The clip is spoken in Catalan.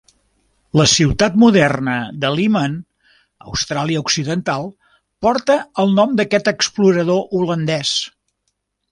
La ciutat moderna de Leeman, Austràlia Occidental, porta el nom d'aquest explorador holandès.